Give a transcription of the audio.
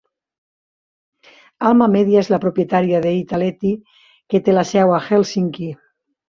Alma Media és la propietària de "Iltalehti", que té la seu a Helsinki.